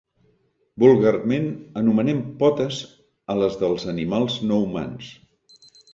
Vulgarment, anomenem potes a les dels animals no humans.